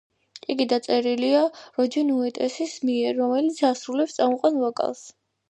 იგი დაწერილია როჯერ უოტერსის მიერ, რომელიც ასრულებს წამყვან ვოკალს.